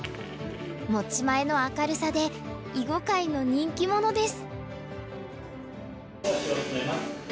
持ち前の明るさで囲碁界の人気者です。